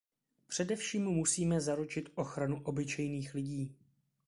Především musíme zaručit ochranu obyčejných lidí.